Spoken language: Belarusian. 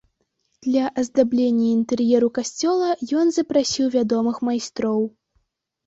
Для аздаблення інтэр'еру касцёла ён запрасіў вядомых майстроў.